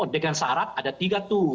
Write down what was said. dengan syarat ada tiga tuh